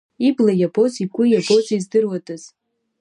Ибла иабоз игәы иабозу здыруадаз.